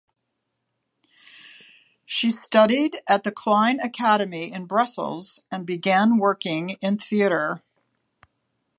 She studied at the Kleine Academy in Brussels and began working in theatre.